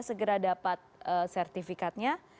mereka segera dapat sertifikatnya